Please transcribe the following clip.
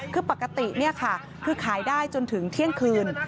คือปกติคือขายได้จนถึงเที่ยงคืน